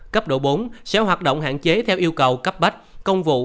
cấp độ bốn sẽ hoạt động hạn chế theo yêu cầu cấp bách công vụ